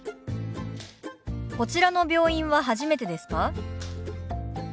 「こちらの病院は初めてですか？」。